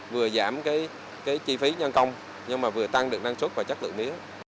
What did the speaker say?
vừa giảm cái chi phí nhân công nhưng mà vừa tăng được năng suất và chất lượng mía